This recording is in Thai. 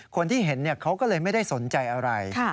คนที่เห็นเขาก็เลยไม่ได้สนใจอะไร